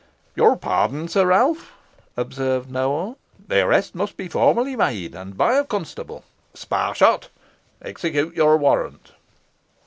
"Your pardon, Sir Ralph," observed Nowell; "the arrest must be formally made, and by a constable. Sparshot, execute your warrant."